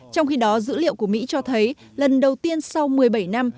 trong khi đó dữ liệu của mỹ cho thấy lần đầu tiên sau một mươi bảy năm